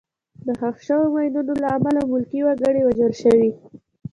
د ښخ شوو ماینونو له امله ملکي وګړي وژل شوي.